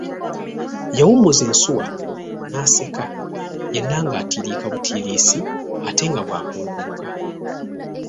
Yawummuza ensuwa naseka yenna ng’atiiriika butiirisi ate nga bw’akunkumuka.